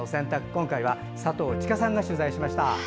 今回は佐藤千佳さんが取材をしました。